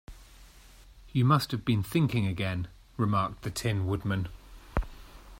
"You must have been thinking again," remarked the Tin Woodman.